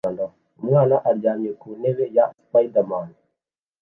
Umwana aryamye ku ntebe ya spiderman